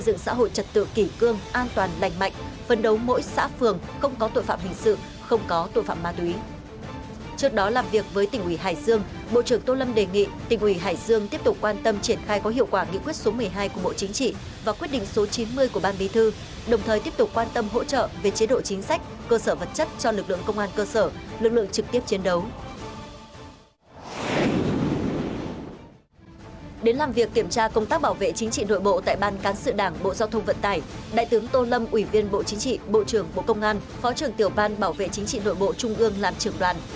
đại tướng tô lâm ủy viên bộ chính trị bộ trưởng bộ công an phó trưởng tiểu ban bảo vệ chính trị nội bộ trung ương làm trưởng đoàn